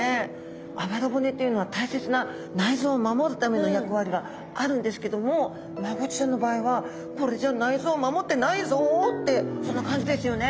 あばら骨っていうのは大切な内臓を守るための役割があるんですけどもマゴチちゃんの場合はってそんな感じですよね。